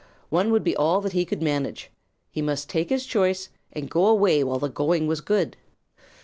One would be all that he could manage. He must take his choice and go away while the going was good.